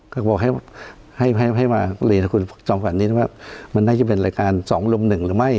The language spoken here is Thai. พี่พระแสงบอกว่ามันน่าจะเป็นรายการ๒รุม๑หรือไม่